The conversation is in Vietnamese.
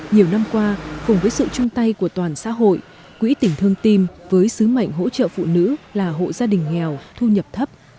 nhiều năm qua cùng với sự chung tay của toàn xã hội quỹ tỉnh thương tim với sứ mệnh hỗ trợ phụ nữ là hộ gia đình nghèo thu nhập thấp